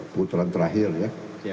putra terakhir ya